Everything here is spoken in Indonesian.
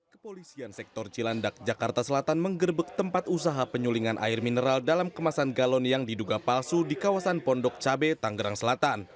kepolisian sektor cilandak jakarta selatan menggerbek tempat usaha penyulingan air mineral dalam kemasan galon yang diduga palsu di kawasan pondok cabe tanggerang selatan